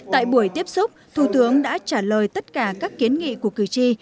tại buổi tiếp xúc thủ tướng đã trả lời tất cả các kiến nghị của cử tri